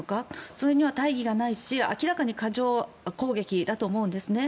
それには大義がないし、明らかに過剰攻撃だと思うんですね。